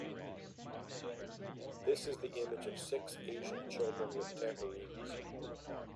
This is the image of six Asian children with tambourines